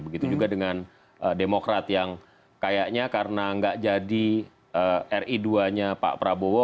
begitu juga dengan demokrat yang kayaknya karena nggak jadi ri dua nya pak prabowo